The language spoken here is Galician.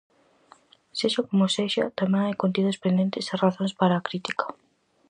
Sexa como sexa, tamén hai contidos pendentes e razóns para a crítica.